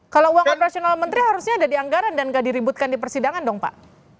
kalau uang operasional menteri harusnya ada di anggaran dan nggak diributkan di persidangan dong pak